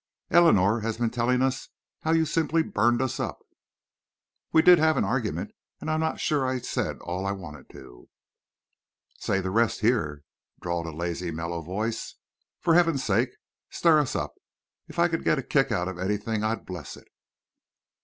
"Eleanor has been telling us how you simply burned us up." "We did have an argument. And I'm not sure I said all I wanted to." "Say the rest here," drawled a lazy, mellow voice. "For Heaven's sake, stir us up. If I could get a kick out of anything I'd bless it."